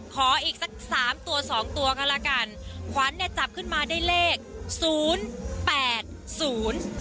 ขออีกสักสามตัวสองตัวก็แล้วกันขวัญเนี่ยจับขึ้นมาได้เลขศูนย์แปดศูนย์